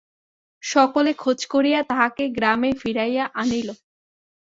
সকলে খোঁজ করিয়া তাহাকে গ্রামে ফিরাইয়া আনিল।